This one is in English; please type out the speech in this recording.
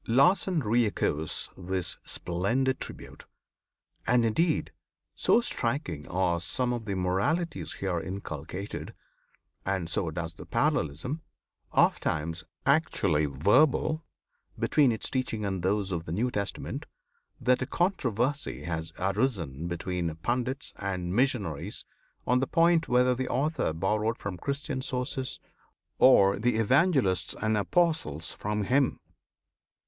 Lassen re echoes this splendid tribute; and indeed, so striking are some of the moralities here inculcated, and so close the parallelism ofttimes actually verbal between its teachings and those of the New Testament, that a controversy has arisen between Pandits and Missionaries on the point whether the author borrowed from Christian sources, or the Evangelists and Apostles from him.